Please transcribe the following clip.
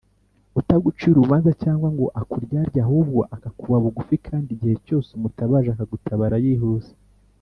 utagucira urubanza cyangwa ngo akuryarye ahubwo akakuba bugufi kandi igihe cyose umutabaje akagutabara yihuse.